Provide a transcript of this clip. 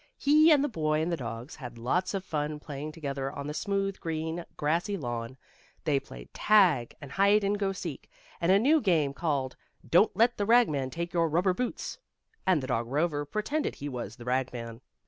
He and the boy and the dogs had lots of fun playing together on the smooth, green, grassy lawn. They played tag, and hide and go seek, and a new game called "Don't Let the Ragman Take Your Rubber Boots." And the dog Rover pretended he was the ragman.